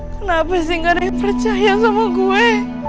kenapa sih gak ada yang percaya sama gue